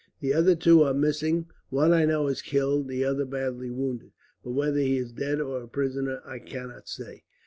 "The other two are missing. One I know is killed; the other badly wounded, but whether he is dead or a prisoner I cannot say.